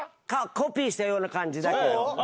コピーしたような感じだから。